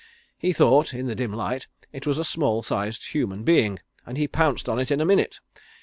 He thought in the dim light it was a small sized human being, and he pounced on it in a minute.